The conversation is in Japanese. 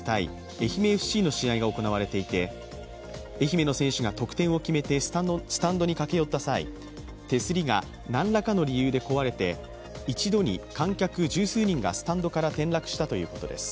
愛媛ＦＣの試合が行われていて愛媛の選手が得点を決めてスタンドに駆け寄った際、手すりが何らかの理由で壊れて一度に観客十数人がスタンドからテク楽したということです。